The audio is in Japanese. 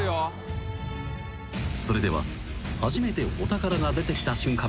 ［それでは初めてお宝が出てきた瞬間